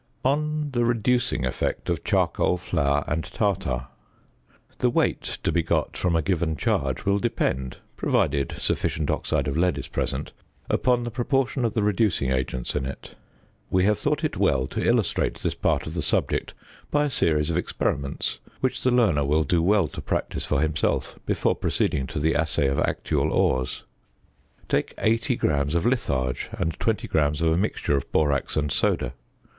On the Reducing Effect of Charcoal, Flour, and Tartar. The weight to be got from a given charge will depend (provided sufficient oxide of lead is present) upon the proportion of the reducing agents in it. We have thought it well to illustrate this part of the subject by a series of experiments which the learner will do well to practise for himself before proceeding to the assay of actual ores. Take 80 grams of litharge and 20 grams of a mixture of borax and soda.